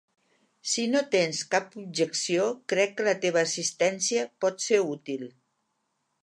Si no tens cap objecció, crec que la seva assistència pot ser útil.